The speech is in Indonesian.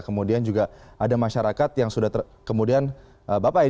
kemudian juga ada masyarakat yang sudah tergantung hidupnya dengan menangkap benih